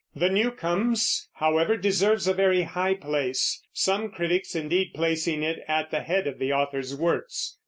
The Newcomes, however, deserves a very high place, some critics, indeed, placing it at the head of the author's works.